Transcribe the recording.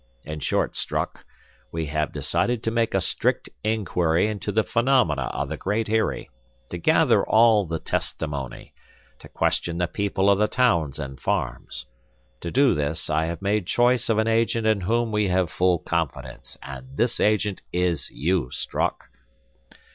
In short, Strock, we have decided to make a strict inquiry into the phenomena of the Great Eyrie, to gather all the testimony, to question the people of the towns and farms. To do this, I have made choice of an agent in whom we have full confidence; and this agent is you, Strock."